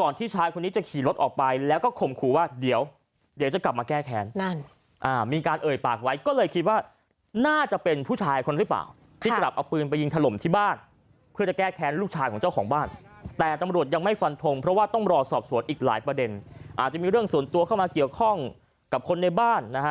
ออกไปแล้วก็ข่มขู่ว่าเดี๋ยวเดี๋ยวจะกลับมาแก้แค้นนั่นอ่ามีการเอ่ยปากไว้ก็เลยคิดว่าน่าจะเป็นผู้ชายคนหรือเปล่าที่กลับเอาปืนไปยิงถล่มที่บ้านเพื่อจะแก้แค้นลูกชายของเจ้าของบ้านแต่ตำรวจยังไม่ฟันพงเพราะว่าต้องรอสอบสวนอีกหลายประเด็นอาจจะมีเรื่องส่วนตัวเข้ามาเกี่ยวข้องกับคนในบ้านนะ